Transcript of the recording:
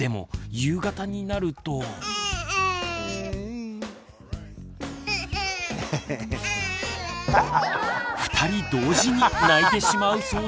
二人同時に泣いてしまうそうです。